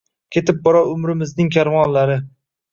Ketib borar umrimizning karvonlari